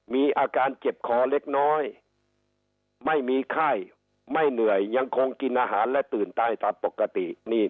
มีอาการเจ็บคอเล็กน้อยไม่มีไข้ไม่เหนื่อยยังคงกินอาหารและตื่นตายตามปกติ